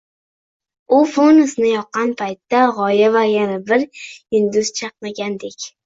U fonusini yoqqan paytda go‘yo yana bir yulduz chaqnagandek